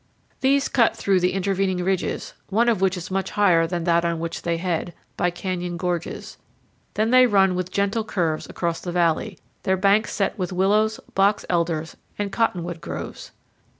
These cut through the intervening ridges, one of which is much higher than that on which they head, by canyon gorges; then they run with gentle curves across the valley, their banks set with willows, box elders, and cottonwood groves.